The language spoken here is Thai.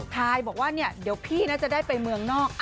ทายบอกว่าเนี่ยเดี๋ยวพี่น่าจะได้ไปเมืองนอก